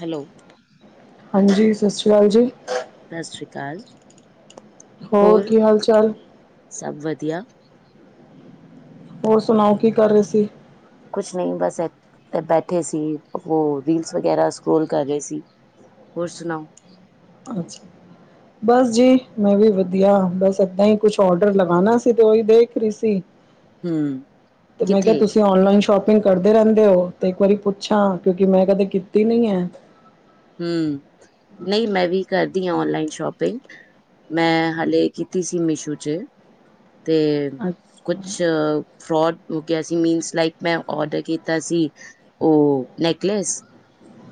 Hello, ਹਾਂਜੀ, ਸਤਿ ਸ੍ਰੀ ਅਕਾਲ ਜੀ। ਸਤਿ ਸ੍ਰੀ ਅਕਾਲ। ਹੋਰ ਕੀ ਹਾਲ ਚਾਲ? ਸਭ ਵਧੀਆ, ਹੋਰ ਸੁਣਾਓ ਕੀ ਕਰ ਰਹੇ ਸੀ? ਕੁਛ ਨਹੀਂ ਬਸ ਬੈਠੇ ਸੀ, ਉਹ ਰੀਲਸ ਵਗੈਰਾ ਸਕਰੋਲ ਕਰ ਰਹੇ ਸੀ। ਹੋਰ ਸੁਣਾਓ? ਅੱਛਾ, ਬਸ ਜੀ ਮੈਂ ਵੀ ਵਧੀਆ ਬਸ ਏਦਾਂ ਹੀ ਕੁਛ ਔਡਰ ਲਗਾਣਾ ਸੀ ਤੇ ਉਹੀ ਦੇਖ ਰਹੀ ਸੀ। ਹੂੰ, ਤੇ ਮੈਂ ਕਿਹਾ ਕਿੱਥੇ? ਤੁਸੀਂ ਔਨਲਾਈਨ ਸ਼ੋਪ ਕਰਦੇ ਰਹਿੰਦੇ ਹੋ ਤੇ ਇੱਕ ਵਾਰੀ ਪੁੱਛਾਂ ਕਿਉਂਕਿ ਮੈਂ ਕਦੇ ਕੀਤੀ ਨ ਹੈ ਹੂੰ, ਨਹੀਂ ਮੈਂ ਵੀ ਕਰਦੀ ਹਾਂ ਔਨਲਾਈਨ ਸ਼ੋਪਿੰਗ ਮੈਂ ਹਾਲੇ ਕੀਤੀ ਸੀ ਮਿਸ਼ੂ ਚ ਤੇ, ਅੱਛਾ ਜੀ ਕੁਛ, ਫਰੋਡ ਹੋ ਗਿਆ ਸੀ, ਮੀਨਸ ਲਾਈਕ ਮੈਂ ਔਡਰ ਕੀਤਾ ਸੀ ਉਹ ਨੈਕਲੈਸ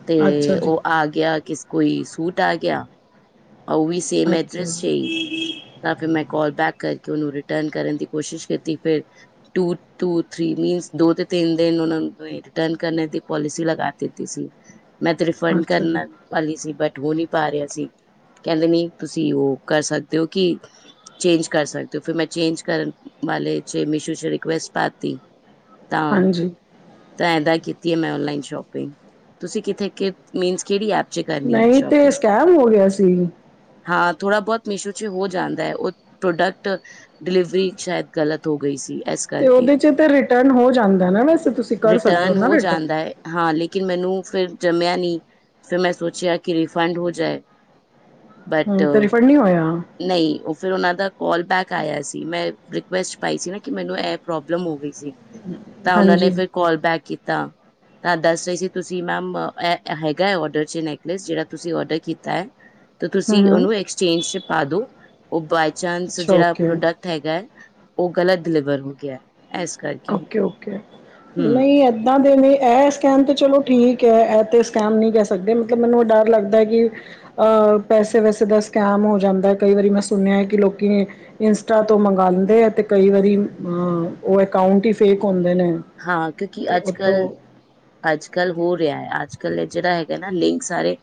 ਤੇ ਅੱਛਾ ਜੀ ਉਹ ਆ ਗਿਆ ਕਿਸ ਕੋਈ ਸੂਟ ਆ ਗਿਆ ਉਹ ਵੀ ਸੇਮ ਐਡਰੈੱਸ ਸੀ ਤਾਂ ਫਿਰ ਮੈਂ ਕਾਲ ਬੈਕ ਕਰਕੇ ਉਹਨੂੰ ਰਿਟਰਨ ਕਰਨ ਦੀ ਕੋਸ਼ਿਸ਼ ਕੀਤੀ ਫਿਰ ਟੂ ਟੂ ਥਰੀ ਮੀਨਸ ਦੋ ਤੇ ਤਿੰਨ ਦਿਨ ਉਹਨਾਂ ਨੇ ਰਿਟਰਨ ਕਰਨ ਦੀ ਪੋਲਿਸੀ ਲਗਾ ਦਿੱਤੀ ਸੀ ਮੈਂ ਤੇ ਰਿਫੰਡ ਅੱਛਾ ਕਰਨ ਜੀ ਵਾਲੀ ਸੀ ਬਟ ਉਹ ਨਹੀਂ ਪਾ ਰਿਹਾ ਸੀ ਕਹਿੰਦੇ ਨੀ ਤੁਸੀਂ ਉਹ ਕਰ ਸਕਦੇ ਹੋ ਕਿ ਚੇਂਜ ਕਰ ਸਕਦੇ ਹੋ, ਫਿਰ ਮੈਂ ਚੇਂਜ ਕਰਨ ਵਾਲੇ ਚ ਮੀਸ਼ੂ ਚ ਰਿਕੁਸਟ ਪਾਤੀ, ਤਾਂ ਹਾਂਜੀ ਤਾਂ ਇੱਦਾਂ ਹੀ ਕੀਤੀ ਹੈ, ਮੈਂ ਔਨਲਾਈਨ ਸ਼ੋਪਿੰਗ ਤੁਸੀਂ ਕਿੱਥੇ ਕਿ ਮੀਨਸ ਕਿਹੜੀ ਐਪ। 'ਚ ਕਰਨੀ ਹੈ ਨਹੀਂ ਸ਼ੋਪਿੰਗ ਤੇ ਸਕੈਮ ਹੋ ਗਿਆ ਸੀ। ਹਾਂ ਥੋੜ੍ਹਾ ਬਹੁਤ ਮੀਸ਼ੋ ਚ ਹੋ ਜਾਂਦਾ ਹੈ, ਉਹ ਪ੍ਰੋਡਕਟ ਡਿਲੀਵਰੀ ਸ਼ਾਇਦ ਗ਼ਲਤ ਹੋ ਗਈ ਸੀ, ਇਸ ਤੇ ਕਰਕੇ ਉਹਦੇ ਚ ਤੇ ਰਿਟਰਨ ਹੋ ਜਾਂਦਾ ਨਾ, ਵੈਸੇ ਤੁਸੀਂ ਕਰ ਸਕਦੇ ਹੋ ਰਿਟਰਨ ਨਾ ਰਿਟਰਨ ਜਾਂਦਾ ਹੈ ਹਾਂ ਲੇਕਿਨ ਮੈਨੂੰ ਫਿਰ ਜੰਮਿਆ ਨਹੀਂ, ਫਿਰ ਮੈਂ ਸੋਚਿਆ ਕਿ ਰੀਫੰਡ ਹੋ ਜਾਏ ਬਟ ਹਮ ਤੇ ਰਿਫੰਡ ਨਹੀਂ ਹੋਇਆ ਨਹੀਂ ਉਹ ਫਿਰ ਉਹਨਾਂ ਦਾ ਕੋਲ ਬੈਕ ਆਇਆ ਸੀ, ਮੈਂ ਰਿਕੁਐਸਟ ਪਾਈ ਸੀ ਨਾ ਕਿ ਮੈਨੂੰ ਇਹ ਪ੍ਰੋਬਲਮ ਹੋ ਗਈ ਸੀ। ਤਾਂ ਉਹਨਾ ਨੇ ਹਾਂਜੀ ਫਿਰ ਕਾਲ ਬੈਕ ਕੀਤਾ ਤਾਂ ਦੱਸ ਰਹੇ ਸੀ ਤੁਸੀਂ ਮੈਮ ਹੈਗਾ ਹੈ ਔਡਰ 'ਚ ਨੈਕਲੈਸ ਜਿਹੜਾ ਤੁਸੀਂ ਔਡਰ ਕੀਤਾ ਹੈ ਤਾਂ ਹਮ ਤੁਸੀਂ ਹਮ ਉਹਨੂੰ ਐਕਸਚੇਂਜ ਚ ਪਾ ਦਿੋ ਉਹ ਬਾਏ ਚਾਂਸ ਅੱਛਾ ਜਿਹੜਾ ਓਕੇ ਪ੍ਰੋਡਕਟ ਹੈਗਾ ਹੈ ਉਹ ਗਲਤ ਡਿਲੀਵਰ ਹੋ ਗਿਆ ਹੈ, ਇਸ ਕਰਕੇ ਓਕੇ ਓਕੇ ਹਮ ਨਹੀਂ ਏਦਾਂ ਦੇ ਨੇ ਐ ਸਕੈਮ ਤਾਂ ਚਲੋ ਠੀਕ ਹੈ ਇਹ ਤਾਂ ਸਕੈਮ ਨਹੀਂ ਕਹਿ ਸਕਦੇ ਮਤਲਬ ਮੈਨੂੰ ਇਹ ਡਰ ਲੱਗਦਾ ਹੈ ਕਿ ਅਹ ਪੈਸੇ ਵੈਸੇ ਦਾ ਸਕੈਮ ਹੋ ਜਾਂਦਾ ਕਈ ਵਾਰੀ ਮੈਂ ਸੁਣਿਆ ਹੈ ਕਿ ਲੋਕੀ ਇੰਸਟਾ ਤੋਂ ਮੰਗਵਾਉਂਦੇ ਹੈ ਤੇ ਕਈ ਵਾਰੀ ਅਹ ਉਹ ਅਕਾਊਂਟ ਹੀ ਫੇਕ ਹੁੰਦੇ ਨੇ ਹਾਂ ਕਿਉਂਕਿ ਤੇ ਅੱਜ ਉੱਥੋਂ ਕੱਲ੍ਹ ਅੱਜ ਕੱਲ੍ਹ ਹੋ ਰਿਹਾ ਹੈ ਅੱਜ ਕੱਲ ਜਿਹੜਾ ਹੈਗਾ ਨਾ ਲਿੰਕ ਸਾਰੇ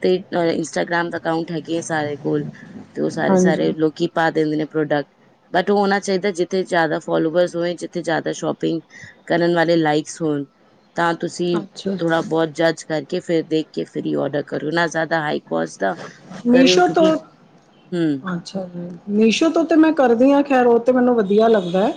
ਤੇ ਇੰਸਟਾਗ੍ਰਾਮ ਦਾ ਅਕਾਊਂਟ ਹੈਗੇ ਆ ਸਰੇ ਕੋਲ ਤੇ ਉਹ ਸਾਰੇ ਹਾਂਜੀ ਸਾਰੇ ਲੋਕੀ ਪਾ ਦਿੰਦੇ ਨੇ ਪ੍ਰੋਡਕਟ ਬਟ ਉਹ ਹੋਣਾ ਚਾਹੀਦਾ ਜਿੱਥੇ ਜ਼ਿਆਦਾ ਫੋਲੋਵਰਸ ਹੋਏ ਜਿੱਥੇ ਜ਼ਿਆਦਾ ਸ਼ੋਪਿੰਗ ਕਰਨ ਵਾਲੇ ਲਾਈਕਸ ਹੋਣ ਤਾਂ ਤੁਸੀਂ ਅੱਛਾ ਥੋੜਾ ਬਹੁਤ ਜੱਜ ਕਰਕੇ ਫਿਰ ਦੇਖ ਕੇ ਫਿਰ ਔਰਡਰ ਕਰੂ ਨਾ ਜ਼ਿਆਦਾ ਹਾਈ ਕੁਸ ਤਾਂ ਕਰਿਓ ਮੀਸ਼ੋ ਕਿਉਂਕਿ ਤੋਂ ਹਮ ਅੱਛਾ ਜੀ ਮੀਸ਼ੋ ਤੋਂ ਤਾਂ ਮੈਂ ਕਰਦੀ ਹਾਂ ਖੈਰ ਉਹ ਤਾਂ ਮੈਨੂੰ ਵਧੀਆ ਲੱਗਦਾ ਹੈ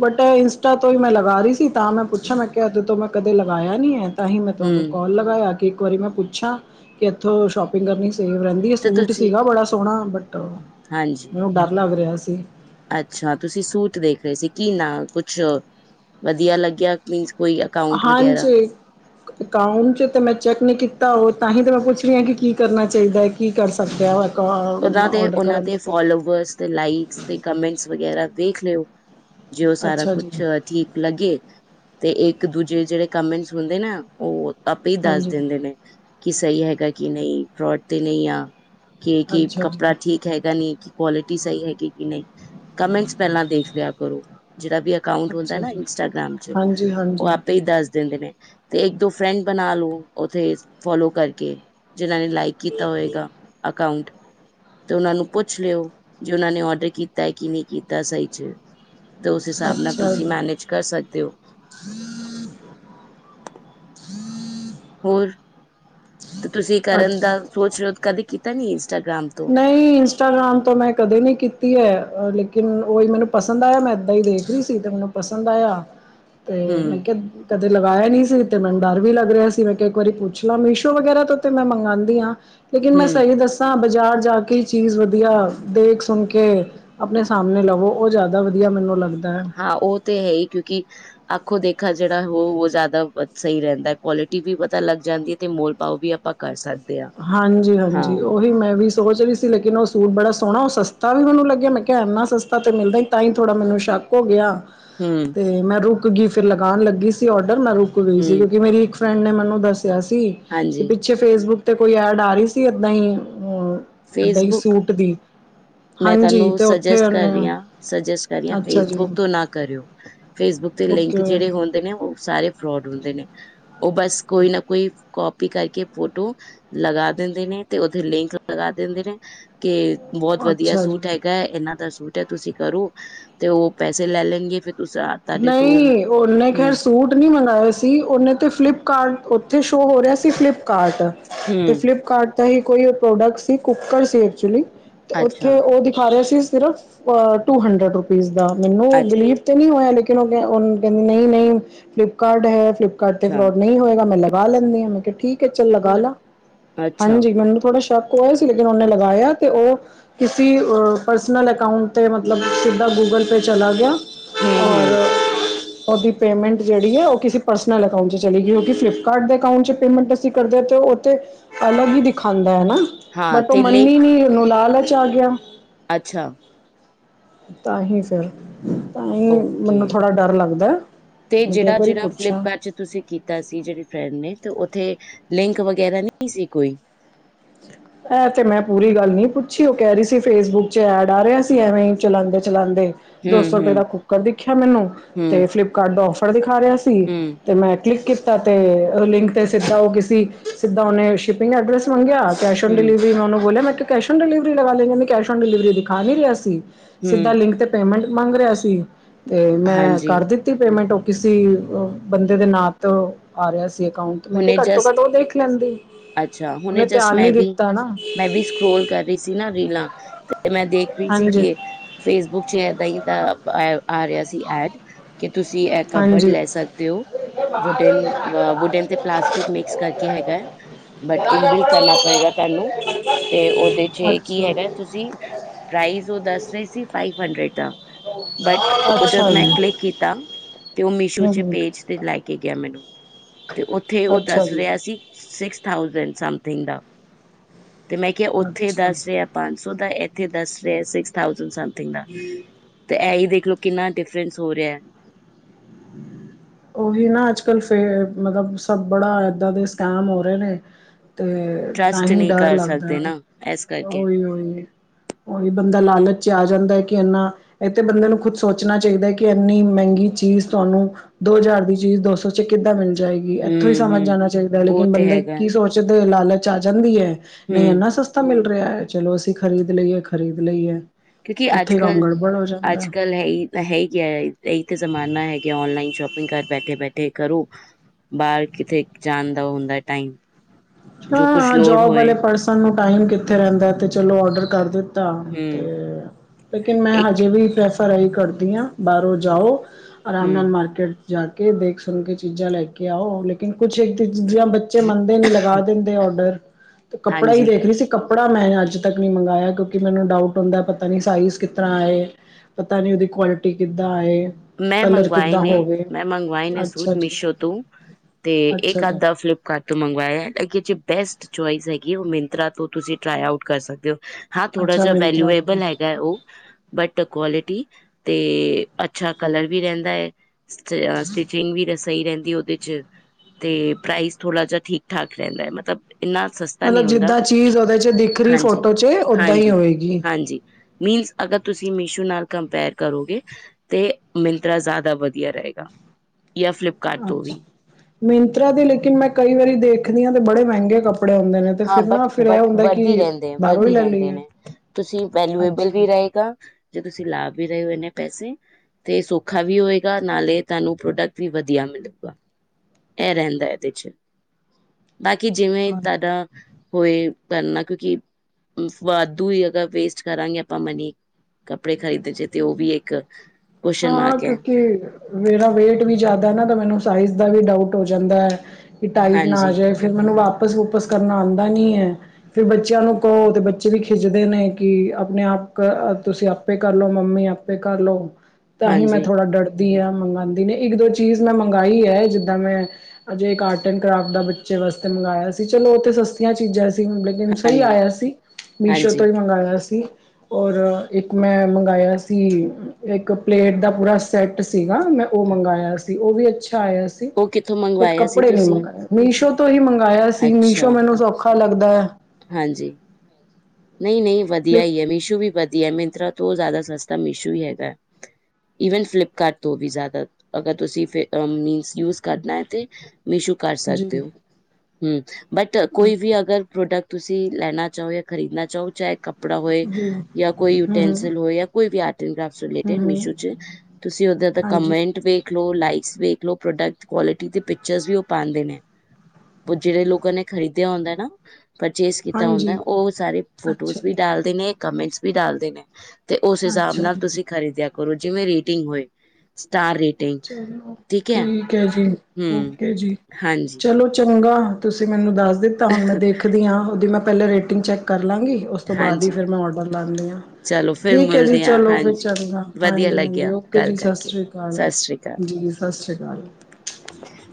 ਬਟ ਇੰਸਟਾ ਤੋਂ ਹੀ ਮੈਂ ਲਗਾ ਰਹੀ ਸੀ ਤਾਂ ਮੈਂ ਪੁੱਛਿਆ ਮੈਂ ਕਿਹਾ ਅਜੈ ਤੋਂ ਮੈਂ ਕਦੇ ਲਗਾਇਆ ਨਹੀਂ ਹੈ ਤਾਂ ਹੀ ਮੈਂ ਤੁਹਾਨੂੰ ਹਮ ਕੋਲ ਲਗਾਇਆ ਕਿ ਇੱਕ ਵਾਰੀ ਮੈਂ ਪੁੱਛਾਂ ਕਿ ਇੱਥੋਂ ਸ਼ੋਪਿੰਗ ਕਰਨੀ ਸੇਫ ਰਹਿੰਦੀ ਵਧੀਆ ਤੇ ਸੂਟ ਤੁਸੀਂ ਸੀਗਾ ਬੜਾ ਸੋਹਣਾ ਬਟ ਹਾਂਜੀ ਮੈਨੂੰ ਡਰ ਲੱਗ ਰਿਹਾ ਸੀ ਅੱਛਾ ਤੁਸੀਂ ਸੂਟ ਦੇਖ ਰਹੇ ਸੀ ਕੀ ਨਾ ਕੁਛ ਵਧੀਆ ਲੱਗਿਆ ਮੀਨ ਕੋਈ ਅਕਾਊਂਟ ਵਗੈਰਾ ਹਾਂਜੀ ਅਕਾਊਂਟ ਚ ਤੇ ਮੈਂ ਚੈੱਕ ਨਹੀਂੀ ਕੀਤਾ ਉਹ ਤਾਂ ਹੀ ਤਾਂ ਮੈਂ ਪੁੱਛ ਰਹੀ ਹਾਂ ਕਿ ਕੀ ਕਰਨਾ ਚਾਹੀਦਾ ਹੈ ਕੀ ਕਰ ਸਕਦਾ ਵ ਉਹਦਾ ਦੇ ਉਹਨਾਂ ਦੇ ਫੋਲੋਵਰਸ ਲਾਈਕਸ ਤੇ ਕਮੈਂਟਸ ਵਗੈਰਾ ਵੇਖ ਲਿਓ ਜੇ ਉਹ ਸਾਰਾ ਅੱਛਾ ਜੀ ਕੁਛ ਠੀਕ ਲੱਗੇ ਤੇ ਇੱਕ ਦੂਜੇ ਜਿਹੜੇ ਕਮਟਸ ਹੁੰਦੇ ਨਾ ਉਹ ਆਪੇ ਹੀ ਦੱਸ ਹਾਂਜੀ ਦਿੰਦੇ ਨੇ ਕੀ ਸਹੀ ਹੈਗਾ ਕਿ ਨਹੀਂ ਫਰੋਡ ਤੇ ਨਹੀਂ ਆ ਕਿ ਕਿ ਅੱਛਾ ਕੱਪੜਾ ਜੀ ਠੀਕ ਹੈਗਾ ਨਹੀਂ ਕਿ ਕੁਆਲਿਟੀ ਸਹੀ ਹੈਗੀ ਕਿ ਨਹੀਂ ਕਮੈਂਟਸ ਪਹਿਲਾਂ ਦੇਖ ਲਿਆ ਕਰੋ ਜਿਹੜਾ ਵੀ ਅਕਾਊਂਟ ਹੁੰਦਾ ਅੱਛਾ ਨਾ ਜੀ, ਇੰਸਟਾਗ੍ਰਾਮ ਚ ਉਹ ਹਾਂਜੀ-ਹਾਂਜੀ, ਆਪੇ ਹੀ ਦੱਸ ਦਿੰਦੇ ਨੇ। ਤੇ ਇੱਕ ਦੋ ਫਰੈਂਡ ਬਣਾ ਲੋ ਉੱਥੇ ਫੋਲੋ ਕਰਕੇ ਜਿਨਾਂ ਨੇ ਲਾਈਕ ਕੀਤਾ ਹੋਏਗਾ ਅਕਾਊਂਟ। ਤੇ ਉਹਨਾਂ ਨੂੰ ਪੁੱਛ ਲਿਓ ਜੇ ਉਹਨਾਂ ਨੇ ਔਡਰ ਕੀਤਾ ਹੈ ਕਿ ਨਹੀਂ ਕੀਤਾ ਸਹੀ ਚ। ਅਤੇ ਉਸ ਹਿਸਾਬ ਨਾਲ ਤੁਸੀਂ ਮੈਨੇਜ ਕਰ ਸਕਦੇ ਹੋ। ਹਮ। ਹੋਰ ਤੇ ਤੁਸੀਂ ਅੱਛ ਕਰਨ ਦਾ ਸੋਚ ਸਰੋਧ ਕਦੇ ਕੀਤਾ ਨੀ ਇੰਸਟਾਗ੍ਰਾਮ ਤੋਂ। ਨਹੀਂ ਇੰਸਟਾਗ੍ਰਾਮ ਤੋਂ ਮੈਂ ਕਦੇ ਨਹੀਂ ਕੀਤੀ ਹੈ ਲੇਕਿਨ ਉਹੀ ਮੈਨੂੰ ਪਸੰਦ ਆਇਆ ਮੈਂ ਏਦਾਂ ਹੀ ਦੇਖ ਰਹੀ ਸੀ ਤੇ ਮੈਨੂੰ- ਪਸੰਦ ਆਇਆ ਅਤੇ ਮੈਂ ਹੂੰ ਕਿਹਾ ਕਦੇ ਲਗਾਇਆ ਨੀ ਸੀ ਤੇ ਮੈੂੰ ਡਰ ਵੀ ਲੱਗ ਰਿਹਾ ਸੀ ਮੈਂ ਕਿਹਾ ਇੱਕ ਵਾਰੀ ਪੁੱਛ ਲਾਂ ਮੀਸ਼ੋ ਵਗੈਰਾ ਤੋਂ ਤੇ ਮੈਂ ਮੰਗਵਾਉਂਦੀ ਹਾਂ ਲੇਕਿਨ ਮੈਂ ਹੂੰ ਸਹੀ ਦੱਸ ਤਾਂ ਬਾਜ਼ਾਰ ਜਾ ਕੇ ਹੀ ਚੀਜ਼ ਵਧੀਆ ਦੇਖ ਸੁਣ ਕੇ ਆਪਣੇ ਸਾਹਮਣੇ ਲਵੋ ਉਹ ਜ਼ਿਆਦਾ ਵਧੀਆ ਮੈਨੂੰ ਲੱਗਦਾ ਹੈ ਹਾਂ ਉਹ ਤੇ ਹੈ ਹੀ ਕਿਉਂਕਿ ਆਖੋ ਦੇਖਾ ਜਿਹੜਾ ਉਹ ਉਹ ਜ਼ਿਆਦਾ ਸਹੀ ਰਹਿੰਦਾ ਹੈ ਕੁਆਲਿਟੀ ਵੀ ਪਤਾ ਲੱਗ ਜਾਂਦੀ ਹੈ ਤੇ ਮੋਲ ਪਾਓ ਵੀ ਆਪਾਂ ਕਰ ਸਕਦੇ ਹਾਂ ਹਾਂਜੀ ਹਾਂ ਹਾਂਜੀ ਉਹੀ ਮੈਂ ਵੀ ਸੋਚ ਰ ਸੀ ਲੇਕਿਨ ਉਹ ਸੂਟ ਬੜਾ ਸੋਹਣਾ ਉਹ ਸਸਤਾ ਵੀ ਮੈਨੂੰ ਲੱਗਿਆ ਮੈਂ ਕਿਹਾ ਇੰਨਾ ਸਸਤਾ ਤਾਂ ਮਿਲਦਾ ਹੀ ਤਾਂ ਹੀ ਥੋੜ੍ਹਾ ਮੈਨੂੰ ਸ਼ੱਕ ਹੋ ਗਿਆ। ਹਮ। ਤੇ ਮੈਂ ਰੁਕ ਗਈ ਫਿਰ ਲਗਾਉਣ ਲੱਗੀ ਸੀ ਆਰਡਰ ਮੈਂ ਰੁਕ ਗਈ ਸੀ ਹੂੰ ਕਿਉਂਕਿ ਮੇਰੀ ਇੱਕ ਫਰੈਂਡ ਨੇ ਮੈਨੂੰ ਦੱਸਿਆ ਸੀ। ਕਿ ਹਾਂਜੀ ਪਿੱਛੇ ਫੇਸਬੁੱਕ ਤੇ ਕੋਈ ਐਡ ਆ ਰਹੀ ਸੀ ਏਦਾਂ ਹੀ ਅ ਏਦਾਂ ਹੀ ਫੇਸਬੁੱਕ ਸੂਟ ਦੀ। ਮੈਂ ਹਾਂਜੀ ਤੁਹਾਨੂੰ ਤੇ ਉੱਥੇ ਸਜੈਸਟ ਕਰ ਉਹਨੇ ਰਹੀ ਹਾਂ ਸਜੈਸਟ ਕਰ ਹ ਅੱਛਾ ਜੀ ਫੇਸਬੁੱਕ ਤੋਂ ਨਾ ਕਰਿਓ। ਫੇਸਬੁੱਕ ਦੇ ਲਿੰਕ ਓਕੇ ਜਿਹੜੇ ਹੁੰਦੇ ਨੇ ਉਹ ਸਾਰੇ ਫਰੋਡ ਹੁੰਦੇ ਨੇ ਉਹ ਬਸ ਕੋਈ ਨਾ ਕੋਈ ਕਾਪੀ ਕਰਕੇ ਫੋਟੋ ਲਗਾ ਦਿੰਦੇ ਨੇ ਤੇ ਉਹ ਦੇ ਲਿੰਕ ਲਗਾ ਦਿੰਦੇ ਨੇ ਕੇ ਬ ਵਧੀਆ ਅੱਛਾ ਸੂਟ ਜੀ ਹੈਗਾ ਹੈ ਇਨਾ ਦਾ ਸੂਟ ਹੈ ਤੁਸੀਂ ਕਰੋ ਤੇ ਉਹ ਪੈਸੇ ਲੈ ਲੈਂਗੇ ਫਿਰ ਤੁਸੀਂ ਤੁਹਾਡੇ ਤੋਂ ਨਹੀਂ ਉਹਨੇ ਖੈਰ ਹਮ ਸੂਟ ਨਹੀਂ ਮੰਗਵਾਏ ਸੀ ਸੀ ਉਹਨੇ ਤੇ ਫਲਿੱਪਕਾਰਟ ਉੱਥੇ ਸ਼ੋਅ ਹੋ ਰਿਹਾ ਸੀ ਫਲਿੱਪਕਾਰਟ ਅਤੇ ਹਮ ਫਲਿੱਪਕਾਰਟ ਤਾਂ ਹੀ ਕੋਈ ਪ੍ਰੋਡਕਟ ਸੀ ਕੁੱਕਰ ਸੀ ਐਕਚੁਲੀ ਤੇ ਅੱਛਾ ਉੱਥੇ ਉਹ ਦਿਖਾ ਰਿਹਾ ਸੀ ਸਿਰਫ ਟੂ ਹੰਡਰਡ ਰੁਪੀਜ਼ ਦਾ ਮੈਨੂੰ ਬਿਲੀਵ ਤੇ ਨਹੀਂ ਹੋਇਆ ਕਹਿੰਦੀ ਨਹੀਂ ਨਹੀਂ ਫਲਿੱਪਕਾਰਟ ਹੈ ਫਲਿਪਕਾਰਟ ਤੇ ਅੱਛਾ ਫਰੋਡ ਨਹੀਂ ਹੋਏਗਾ ਮੈਨ ਲੱ ਲਗਾ ਲੈਂਦੇ ਆਾਂ ਮੈਂ ਕਿਹਾ ਠੀਕ ਹੈ ਚੱਲ ਲਗਾ ਲਾ ਅੱਛਾ ਹਾਂਜੀ ਮੈਨੂੰ ਥੋੜਾ ਸ਼ੱਕ ਕੋਈ ਸੀ ਲੇਕਿਨ ਉਹਨੇ ਲਗਾਇਆ ਤੇ ਉਹ ਕਿਸੇ ਪਰਸਨਲ ਅਕਾਊਂਟ 'ਤੇ ਮਤਲਬ ਸਿੱਧਾ ਗੂਗਲ ਪੇਅ ਚਲਾ ਗਿਆ। ਹਮ ਹਮ। ਔਰ ਉਹਦੀ ਪੇਮੈਂਟ ਜਿਹੜੀ ਹੈ ਉਹ ਕਿਸੇ ਪਰਸਨਲ ਅਕਾਊਂਟ 'ਚ ਚਲੀ ਗਈ ਕਿ ਕਿ ਫਲਿੱਪਕਾਰਟ ਦੇ ਅਕਾਊਂਟ 'ਚ ਪੇਮੈਂਟ ਅਸੀਂ ਕਰਦੇਾਂ ਅਤੇ ਉਹੱਥੇ ਅਲੱਗ ਹੀ ਦਿਖਾਉਂਦਾ ਹੈ ਨਾ ਹਾਂ ਬਟ ਉਹ ਤੇ ਮੰਨੀ ਲੇਖ ਨਹੀਂ ਉਹਨੂੰ ਲਾਲਚ ਆ ਗਿਆ। ਅੱਛਾ। ਤਾਂਹੀ ਫਿਰ ਤਾਂਹੀ ਮੈਨੂੰ ਓਕੇ ਥੋੜ੍ਹਾ ਡਰ ਲੱਗਦਾ ਮੈਂ ਕਿਹਾ ਇੱਕ ਵਾਰੀ ਪੁੱਛਾਂ ਜੈ ਤੁਸੀਂ ਕੀਤਾ ਸੀ ਜਿਹੜ ਫਰਡ ਨੇ ਤੇ ਉੱਥੇ ਲਿੰਕ ਵਗੈਰਾ ਨਹੀਂ ਸੀ ਕੋਈ? ਇਹ ਤੇ ਮੈਂ ਪੂਰੀ ਗੱਲ ਨਹੀਂ ਪੁੱਛੀ ਉਹ ਕਹਿ ਰਹੀ ਸੀ ਫੇਸਬੁੱਕ ਚ ਐਡ ਆ ਰਿਹਾ ਸੀ ਐਵੇਂ ਚਲਾਉਂਦੇ ਚਲਾਉਂਦੇ। ਦੋ ਹਮ ਸੌ ਰੁਪਏ ਹਮ ਦਾ ਕੁੱਕਰ ਦਿਖਿਆ ਮੈਨੂੰ ਤੇ ਹਮ ਫਲਿੱਪਕਾਰਟ ਦਾ ਫਰ ਦਿਖਾ ਰਿਹਾ ਸੀ। ਹਮ ਤੇ ਮੈਂ ਕਲਿੱਕ ਕੀਤਾ। ਤੇ ਲਿੰਕ ਤੇ ਸਿੱਧਾ ਉਹ ਕਿਸ ਸਿੱਧਾ ਉਹਨੇ ਸ਼ਿਪਿੰਗ ਐਡਰੈਸ ਮੰਗਿਆ। ਕੈਸ਼ ਆਨ ਹਮ ਡਿਲੀਵਰੀ ਮੈਂ ਉਹਨੂੰ ਬੋਲਿਆ ਮੈਂ ਕਿਹਾ ਕੈਸ਼ ਆਨ ਡਿਲੀਵਰੀ ਲਗਾ ਲੈਂਦੇ ਮੈ ਕੈਸ਼ ਔਨ ਡਿਲੀਵਰੀ ਦਿਖਾ ਨਹੀਂ ਰਿਹਾ ਸੀ। ਸਿੱਧਾ ਹਮ ਲਿੰਕ ਤੇ ਪੇਮੈਂਟ ਮੰਗ ਰਿਹਾ ਸੀ ਤੇ ਮੈਂ ਹਾਂਜੀ ਕਰ ਦਿੱਤਾ। ਪੇਮੈਂਟ ਉਹ ਕਿਸੇ ਬੰਦੇ ਦੇ ਨਾਂ ਤੋਂ ਆ ਰਿਹਾ ਸੀ ਅਕਾਊਂਟ ਤੇ ਮੈਂ ਹੁਣੇ ਕਿਹਾ ਘੱਟ ਤੋਂ ਘੱਟ ਜਸਟ ਉਹ ਦੇਖ ਲੈਂਦੀ ਅੱਛਾ ਹੁਣੇ ਉਹਨੇ ਜਸਟ ਧਿਆਨ ਮੈਂ ਨਹੀਂ ਵੀ ਦਿੱਤਾ ਨਾ ਮੈਂ ਵੀ ਸਕਰੋਲ ਕਰ ਰਹੀ ਸੀ ਨਾ ਰੀਲਾਂ ਤੇ ਮੈਂ ਦੇਖ ਰਹੀ ਸੀ ਹਾਂਜੀ ਕੀ ਫੇਸਬੁੱਕ ਚ ਏਦਾਂ ਹੀ ਆ ਰਿਹਾ ਸੀ ਐਡ ਕਿ ਤੁਸੀਂ ਇਹ ਕਬਰਡ ਹਾਂਜੀ ਲੈ ਸਕਦੇ ਹੋ ਵੁਡਨ ਵੁਡਨ ਤੇ ਪਲਾਸਟਿਕ ਮਿਕਸ ਕਰਕੇ ਹੈਗਾ ਹੈ ਬਟ ਇਨਵਿਲ ਕਰਨਾ ਪਏਗਾ ਤੁਹਾਨੂੰ ਤੇ ਉਹਦੇ ਚ ਕੀ ਅੱਛਾ ਹੈਗਾ ਤੁਸੀਂ ਪ੍ਰਾਈਜ਼ ਉਹ ਦੱਸ ਰਹੇ ਸੀ ਫਾਈਵ ਹੰਡਰਡ ਬੱਟ ਉਹ ਜੱਦ ਅੱਛਾ ਜੀ ਮੈਂ ਕਲਿਕ ਕੀਤਾ? ਤੇ ਉਹ ਮੀਸ਼ੋ ਹੂੰ ਚ ਹੂੰ ਪੇਜ ਤੇ ਲੈ ਕੇ ਗਿਆ ਮੈਨੂੰ! ਤੇ ਉੱਥੇ ਉਹ ਅੱਛਾ ਦੱਸ ਜੀ ਰਿਹਾ? ਅਸੀਂ ਸੀਕਸ ਥਾਉਸੈਂਡ ਸਮਥਿੰਗ ਦਾ ਤੇ ਮੈਂ ਕਿਹਾ ਉੱਥੇ ਅੱਛਾ ਦੱਸ ਰਿਹਾ ਪੰਜ ਸੌ ਦਾ ਇੱਥੇ ਦੱਸ ਰਿਹਾ ਸਿਕਸ ਥਾਉਸੈਂਡ ਸਮਥਿੰਗ ਦਾ ਤੇ ਇਹੀ ਦੇਖਲੋ ਕਿੰਨਾ ਡਿਫਰੈਂਸ ਹੋ ਰਿਹਾ। ਹਮ। ਉਹੀ ਨਾ ਅੱਜ ਕੱਲ ਫੇ ਮਤਲਬ ਸਭ ਬੜਾ ਇੱਦਾਂ ਦੇ ਸਕੈਮ ਹੋ ਰਹੇ ਨੇ। ਤੇ ਤਾਂ ਟਰਸਟ ਹੀ ਨਹੀਂ ਡਰ ਕਰ ਲੱਗਦਾ ਸਕਦੇ ਨਾ ਇਸ ਕਰਕੇ ਈ ਹੋਈ। ਉਹੀ ਬੰਦਾ ਲਾਲਚ ਚ ਆ ਜਾਂਦਾ ਹੈ ਕਿ ਇੰਨਾ ਇੱਥੇ ਬੰਦੇ ਨੂੰ ਖੁਦ ਸੋਚਣਾ ਚਾਹੀਦਾ ਹੈ ਕਿ ਇੰਨੀ ਮਹਿੰਗੀ ਚੀਜ਼ ਤੁਹਾਨੂੰ! ਦੋ ਹਜ਼ਾਰ ਦੀ ਚੀਜ਼, ਦੋ ਸੌ ਚੱ ਕਿੱਦਾਂ ਮਿਲ ਜਾਏਗੀ। ਕਿ ਹੂੰ ਇੱਥੋਂ ਹੀ ਸੱਮਝ ਹੂੰ ਜਾਣਾ ਚਾਹੀਦਾ। ਉਹ ਲੇਕਿਨ ਤੇ ਬੰਦੇ ਹੈਗਾ ਕੀ ਸੋਚਦੇ ਲਾਲਚ ਆ ਜਾਂਦੀ ਹੈ। ਨਹੀਂ ਹੂੰ ਇਨ੍ਹਾਂ ਸਸਤਾ? ਤਾ ਮਿਲ ਰਿਹਾ ਹੈ, ਚਲੋ ਅਸੀਂ ਖਰੀਦ ਲਈਏ- ਖਰੀਦ ਲਈਏ? ਕਿਉਂਕਿ ਅੱਜ ਉੱਥੇ ਕੰਮ ਕੱਲ੍ਹ, ਗੜਬੜ ਹੋ ਅੱਜ ਜਾਂਦਾ ਕੱਲ ਹੈ ਹੀ? ਹੈਇ ਕਿਆ ਤੇ ਇਕ ਜ਼ਮਾਨਾ ਹੈ, ਕਿ ਔਨਲਾਈਨ ਸ਼ੋਪਿੰਗ ਘਰ ਬੈਠੇ ਬੈਠੇ ਕਰੋ। ਬਾਹਰ, ਕਿਥੇ ਜਾਣ ਦਾ ਹੁੰਦਾ ਟਾਈਂਮ? ਅੱਛਾ ਹਾਂ ਜੋਬ ਵਾਲੇ ਪਰਸਨ ਨੂੰ ਟਾਇਮ ਕਿਥੇ ਰਹਿੰਦਾ, ਤੇ ਚਲੋ ਆਡਰ ਕਰ ਦੋ। ਤਾਂ! ਹੂੰ ਤੇ, ਲੇਕਿਨ ਮੈਂ ਇੱਕ ਹਜੇ ਵੀ ਪਰੇਫਰ ਇਹੀ ਕਰਦੀ ਹਾਂ? ਬਾਹਰੋਂ ਜਾਓ, ਆਰਾਮ ਨਾਲ ਹੂੰ ਮਾਰਕੀਟ ਜਾ ਕੇ, ਦੇਖ ਸੁਣ ਕੇ ਚੀਜ਼ਾਂ ਲੈ ਕੇ ਆਓ। ਲੇ ਕਿ ਕੁੱਛ ਇੱਕ ਦੋ ਚਿਜਾ, ਬੱਚੇ ਮੰਗਦੇ ਨੇ, ਲਗਾ ਦਿੰਦੇ ਔਡਰ, ਤੇ ਕੱਪੜਾ ਹੀ ਹਾਂਜੀ ਦੇਖ ਰਹੀ ਸੀ? ਕੱਪੜਾ ਮੈਂ ਅੱਜ ਤੱਕ ਨਹੀਂ ਮੰਗਾਇਆ, ਕਿਉਂਕਿ ਮੈਨੂੰ ਡਾਊਟ ਹੁੰਦਾ! ਪਤਾ ਨੀ ਸਾਈਜ਼ ਕਿਸ ਤਰ੍ਹਾਂ ਆਏ! ਪਤਾ ਨਹੀਂ ਉਹਦੀ ਕੁਆਲਿਟੀ ਕਿੱਦਾਂ ਆਏ? ਮੈਂ ਕਲਰ ਮੰਗਵਾਏ ਕਿੱਦਾਂ ਨੇ, ਹੋਵੇ ਮੈਂ ਮੰਗਵਾਏ ਨੇ, ਅੱਛਾ ਸੂਟ ਜੀ ਮੀਸ਼ੋ ਤੋਂ? ਤੇ ਅੱਛਾ ਇਕ ਜੀ ਅਦਾੱ ਫਲਿੱਪਕਾਰਟ? ਤੋ ਮੰਗਵਾਇਆ। ਏਕਿ ਜੇ ਬੈਸਟ ਚੁਆਇਸ ਹੈਗੀ ਹੈ। ਉਹ ਮਿੰਤਰਾ ਤੋਂ ਤੁਸੀਂ ਟਰਾਈ ਆਉਟ ਕਰ ਸਕਦੇ ਹੋ? ਹਾਂ ਥੋੜ੍ਹਾ ਅੱਛਾ ਜਿਹਾ ਮਿੰਤਰਾ ਤੋਂ ਵੈਲੂਏਬਲ ਹੈਗਾ ਉਹ! ਬੱਟ ਕੁਆਲਿਟੀ ਤੇ? ਅੱਛਾ ਕਲਰ ਵੀ ਰਹਿੰਦਾ ਹੈ। ਸਟਿਚਿੰਗ ਵੀ? ਸਹੀ ਰਹਿੰਦੀ ਉਹਦੇ ਚ। ਤੇ ਪ੍ਰਾਈਜ਼ ਥੋੜਾ ਜਿਹਾ ਠੀਕ-ਠਾੱਕ ਰਹਿੰਦਾ ਹੈ। ਮੱਤਲਬ ਇੰਨਾ ਸਸਤਾ। ਮੱਤਲਬ ਜਿੱਦਾਂ ਚੀਜ਼ ਉਹਦੇ ਚ ਦਿਖ ਰਹੀ, ਹਾਂਜੀ ਫੋਟੋ ਚੱ, ਉਦਾਂ ਹੀ ਹਾਂਜੀ ਹੋਵੇਗੀ? ਹਾਂਜੀ! ਮੀਨਸ! ਅਗਰ ਤੁਸੀਂ ਮੀਸ਼ੂ ਨਾਲ ਕੰਪੇਅਰ ਕਰੋਗੇ? ਤੇ ਮਿੰਤਰਾ ਜ਼ਿਆਦਾ ਵਧੀਆ ਰਹੇਗਾ, ਜਾਂ ਫਲਿਪ ਅੱਛਾ! ਮਿੰਤਰਾ ਦੀ ਲੇਕਿਨ ਮੈਂ ਕਈ ਵਾਰੀ ਦੇਖਦੀ ਹਾਂ! ਤੇ ਬੜੇ ਮਹਿੰਗੇ? ਕੱਪੜੇ ਹੁੰਦੇ ਨੇ ਤੇ ਹਾਂ ਫਿਰ ਨਾ ਫਿਰ ਇਹ ਬੱਟ-ਬੱਟ ਹੁੰਦਾ ਵਧ ਹੀ ਕਿ ਰਹਿੰਦੇ, ਬਾਹਰੋਂ ਵਧ ਹੀ ਲੈ ਰਹਿੰਦੇ ਲਈਏ ਨੇ, ਤੁਸੀਂ ਵੈਲੂਏਬਲ ਅੱਛਾ ਵੀ ਜੀ ਰਹੇ! ਤਾਂ। ਜੇ ਤੁਸੀਂ ਲਾ ਵੀ ਰਹੇ ਹੋ ਇਨ ਨੇ ਪੈਸੇ? ਤੇ ਸੌਖਾ ਵੀ ਹੋਏਗਾ, ਨਾਲੇ ਤੁਹਾਨੂੰ ਪ੍ਰੋਡੇਕਟ ਵੀ ਵਧੀਆ ਮਿਲੇਗਾ। ਇਹ ਰਹਿੰਦਾ ਇਹਦੇ ਚ! ਤਾਕੀ ਜਿਵੇਂ ਹਾਂ ਤੁਹਾਡਾ ਹੋਏ ਕਰਨਾ ਕਿਉਂਕਿ? ਫਾਲਤੂ ਹੀ ਜ਼ਿਆਦਾ, ਵੇਸਟ ਕਰਾਂਗੇ ਆਪਾਂ ਮਨੀ। ਕੱਪੜੇ ਖਰੀਦਣ ਚ! ਤੇ ਉਹ ਵੀ ਇੱਕ। ਕੁਸ਼ਚਨ ਹਾਂ ਮਾਰਕ ਹੈ ਕਿਉਂਕਿ? ਮੇਰਾ ਵੇਟ ਵੀ ਜ਼ਿਆਦਾ ਨਾ, ਤਾਂ ਮੈਨੂੰ ਸਾਈਜ਼ ਦਾ ਵੀ ਡਾਊਟ ਹੋ ਜਾਂਦਾ ਹੈ, ਕਿ ਟਾਈਟ ਨਾ ਆ ਹਾਂਜੀ ਜਾਵੇ? ਫਿਰ ਮੈਨੂੰ ਵਾਪਿਸ ਵੁਪਿਸ ਕਰਨਾ ਆਉਂਦਾ ਨਹੀਂ ਹੈ? ਫਿਰ ਬੱਚਿਆਂ ਨੂੰ ਕਹੋ, ਤੇ ਬੱਚੇ ਵੀ ਖਿੱਚਦੇ ਨੇ, ਕਿ ਆਪਣੇ ਆਪ ਕ ਤੁਸੀਂ ਆਪੇ ਕਰ ਲਓ ਮੰਮੀ? ਆਪ ਕਰ ਲਓ ਤਾਂ ਹੀ ਮੈਂ ਹਾਂਜੀ ਥੋੜਾ ਡਰ? ਦੀਆ ਮੰਗਾਦੀ ਨਹੀਂ, ਇੱਕ ਦੋ ਚੀਜ਼, ਮੈਂ ਮੰਗਾਈ ਹੈ, ਜਿੱਦਾਂ ਮੈਂ! ਅਜੇ ਇੱਕ ਆਰਟ ਐਂਡ ਕਰਾਫਟ ਦਾ ਬੱਚੇ ਵਾਸਤੇ ਮੰਗਇਆ ਸੀ। ਚਲੋ ਔਤੇ ਸਸਤੀਆਂ ਚੀਜ਼ਾਂ ਸੀ? ਲੇਕਿਨ ਸਹੀ ਹਾਂਜੀ ਆਇਆ ਸੀ ਮੀਸ਼ੋ ਤੋਂ ਹਾਂਜੀ ਹੀ ਮੰਗਵਾਇਆ ਸੀ? ਔਰ, ਇੱਕ ਮੈਂ ਮੰਗਵਾਇਆ ਸੀ! ਇੱਕ ਪਲੇਟ ਦਾ ਪੂਰਾ? ਸੈੱਟ ਸੀਗਾ! ਮੈਂ ਉਹ ਮੰਗਵਾਇਆ ਸੀ! ਉਹ ਵੀ ਅੱਛਾ ਆਇਆ ਸੀ? ਉਹ ਕਿੱਥੋਂ ਬਟ ਮੰਗਵਾਇਆ ਸੀ ਕੱਪੜੇ ਨਹੀਂ ਤੁਸੀਂ ਮੰਗਾਏ? ਮੀਸ਼ੋ ਤੋਂ ਹੀ ਮੰਗਵਾਆ ਸੀ ਮੀਸ਼ੋ ਅੱਛਾ ਮੈਨੂੰ ਸੌਖਾ ਲੱਗਦਾ ਹੈ। ਹਾਂਜੀ ਨਹੀਂ-ਨਹੀਂ ਵਧੀਆ ਫਲਿਪ ਹੀ ਹੈ। ਮੀਸ਼ੂ ਵੀ ਵਧੀਆ ਮਿੰਤਰਾ? ਤੋਂ ਜ਼ਿਆਦਾ ਸਸਤਾ ਮੀਸ਼ੋ ਹੀ ਹੈਗਾ। ਈਵਨ ਫਲਿੱਪਕਾਰਟ ਤੋਂ ਵੀ ਜ਼ਿਆਦਾ? ਅਗਰ ਤੁਸੀਂ ਫਿਰ ਮੀਨਸ ਯੂਜ ਕਰਨਾ ਹੈ ਤੇ ਮੀਸ਼ੂ? ਕਰ ਜੀ ਸਕਦੇ ਹੋ? ਹੂ ਬਟ ਕੋਈ ਵੀ ਅਗਰ ਪ੍ਰੋਡਕਟ? ਤੁਸੀਂ ਲੈਣਾ ਚਾਹੋ, ਜਾਂ ਖਰੀਦਣਾ ਚਾਹੋ ਚਾਹੇ ਕੱਪੜਾ ਹੋਏ, ਜੀ ਹੂੰ ਜਾਂ ਕੋਈ ਹੂੰ ਯੂਟੈਂਸਿਲ ਹੋਏ, ਕੋਈ ਵੀ ਆਰਟ ਐਂਡ ਕਰਾਫਟ, ਹੂੰ ਰਿਲੇਟਡ ਹੂੰ ਮੀਸ਼ੂ ਚੱ? ਤੁਸੀਂ ਉਹਦੇ ਦਾ ਹਾਂਜੀ ਕਮੈਂਟ ਵੀੇ। [unintelligible] ਲਾਈਕਸ ਵੇਖ ਲੋ ਪ੍ਰੋਡਕਟ ਕੁਆਲਿਟੀ ਦੇ ਪਿਕਚਰਸ ਵੀ ਉਹ ਪਾਂਦੇ ਨੇ। ਔ ਜੇੜੇ ਲੋਕਾਂ ਨੇ ਓਹ ਖਰੀਦਿਆ ਹੁੰਦਾ ਨਾ ਪਰਚੇਸ ਕੀਤਾ ਹੁੰਦਾ ਹਾਂਜੀ ਉਹ ਸਾਰੇ ਅੱਛਾ ਫੋਟੋਸ ਜੀ ਵੀ ਡਾਲਦੇ ਨੇ ਕਮੇੰਟ੍ਸ ਵੀ ਡਾਲਦੇ ਨੇ। ਤੇ ਉਸ ਹਿਸਾਬ ਅੱਛਾ ਨਾਲ ਜੀ। ਤੁਸੀਂ ਖਰੀਦਿਆ ਕਰੋ ਜਿਵੇਂ ਰੇਟਿੰਗ ਹੋਏ ਸਟਾਰ ਰੇਟਿੰਗ ਤੇ। ਚਲੋ ਠੀਕ ਹੈ ਜੀ ਹਮ ਓਕੇ ਜੀ ਹਾਂਜੀ ਚਲੋ ਚੰਗਾ। ਤੁਸੀਂ ਮੈਨੂੰ ਦੱਸ ਦਿੱਤਾ ਹੁਣ ਮੈਂ ਦੇਖਦੀ ਆਂ ਉਹਦੀ ਮੈਂ ਪਹਿਲੇ ਰੇਟਿੰਗ ਚੈੱਕ ਕਰ ਲਾਂਗੀ, ਉਸ ਤੋਂ ਬਾਅਦ ਹੀ ਹਾਂਜੀ ਫਿਰ ਮੈਂ ਔਡਰ ਲਾਨੀ ਆਂ। ਚਲੋ ਫਿਰ ਠੀਕ ਹੈ ਜੀ ਮਿਲਦੇ ਹਾਂ ਚਲੋ ਫਿਰ ਹਾਂਜੀ ਚੰਗਾ ਵਧੀਆ ਹਾਂਜੀ ਹਾਂਜੀ ਲੱਗਿਆ ਓਕੇ ਗੱਲ ਜੀ ਸਤਿ ਕਰਕੇ ਸ੍ਰੀ ਅਕਾਲ। ਸਤਿ ਸ੍ਰੀ ਅਕਾਲ ਜੀ ਸਤਿ ਸ਼੍ਰੀ ਅਕਾਲ। [inaudible]